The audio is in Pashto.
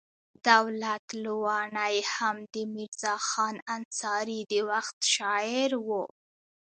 دولت لواڼی هم د میرزا خان انصاري د وخت شاعر و.